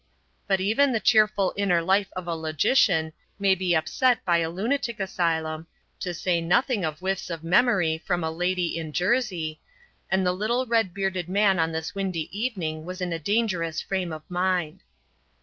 But even the cheerful inner life of a logician may be upset by a lunatic asylum, to say nothing of whiffs of memory from a lady in Jersey, and the little red bearded man on this windy evening was in a dangerous frame of mind.